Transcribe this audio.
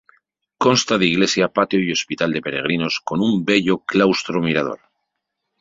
Consta de iglesia, patio y hospital de peregrinos con un bello claustro-mirador.